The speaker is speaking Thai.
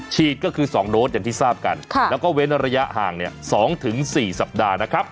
ฉีดก็คือ๒โดสอย่างที่ทราบกันแล้วก็เว้นระยะห่าง๒๔สัปดาห์นะครับ